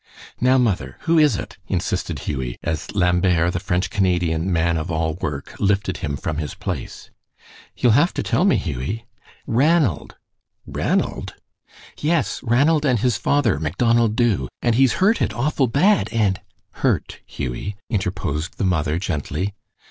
"Now, mother, who is it?" insisted Hughie, as Lambert, the French Canadian man of all work, lifted him from his place. "You'll have to tell me, Hughie!" "Ranald!" "Ranald?" "Yes, Ranald and his father, Macdonald Dubh, and he's hurted awful bad, and " "Hurt, Hughie," interposed the mother, gently.